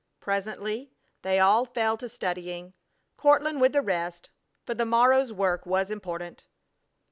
Presently they all fell to studying, Courtland with the rest, for the morrow's work was important.